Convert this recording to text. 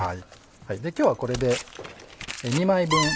今日はこれで２枚分ですね。